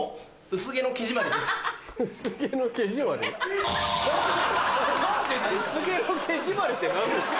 「薄毛の毛締まり」って何ですか？